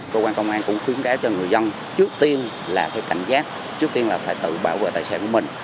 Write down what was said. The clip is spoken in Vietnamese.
cơ quan công an cũng khuyến cáo cho người dân trước tiên là phải cảnh giác trước tiên là phải tự bảo vệ tài sản của mình